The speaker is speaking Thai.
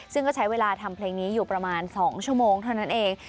ซึ่งก็ใช้เวลาทำเพลงนี้อยู่ประมาณ๒ชั่วโมงเท่านั้นเอง